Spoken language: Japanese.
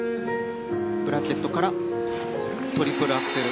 ブラケットからトリプルアクセル。